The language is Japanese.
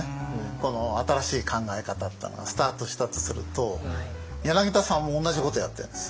この新しい考え方っていうのがスタートしたとすると柳田さんも同じことやってるんですよ。